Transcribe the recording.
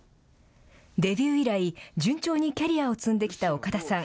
デビュー以来、順調にキャリアを積んできた岡田さん。